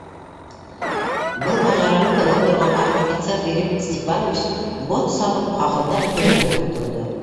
Был мажараны тыңлап торған аҡ офицер Филипп Степанович бот сабып хахылдап көлөргә тотондо.